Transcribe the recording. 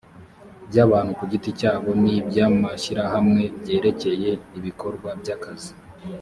by abantu ku giti cyabo n iby amashyirahamwe byerekeye ibikorwa by abakozi